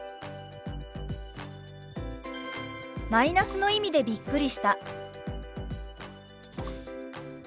「マイナスの意味でびっくりした」。